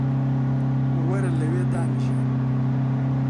وەرە لەوێ دانیشە